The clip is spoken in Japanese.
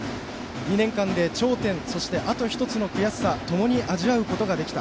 ２年間で頂点、そしてあと１つの悔しさともに味わうことができた。